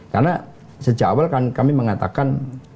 karena sejak awal kami mengatakan